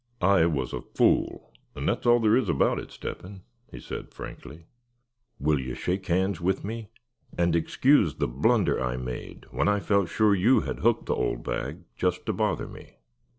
"I was a fool, and that's all there is about it, Step hen," he said, frankly. "Will you shake hands with me, and excuse the blunder I made when I felt sure you had hooked the old bag, just to bother me?"